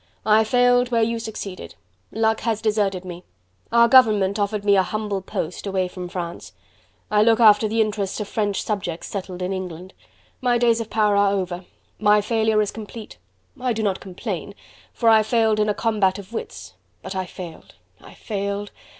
I failed where you succeeded. Luck has deserted me. Our government offered me a humble post, away from France. I look after the interests of French subjects settled in England. My days of power are over. My failure is complete. I do not complain, for I failed in a combat of wits... but I failed... I failed...